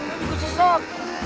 ini juga sesek